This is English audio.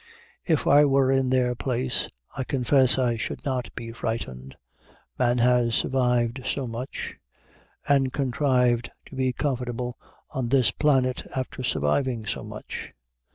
If I were in their place, I confess I should not be frightened. Man has survived so much, and contrived to be comfortable on this planet after surviving so much!